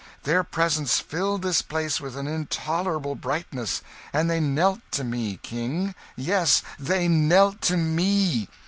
Their presence filled this place with an intolerable brightness. And they knelt to me, King! yes, they knelt to me!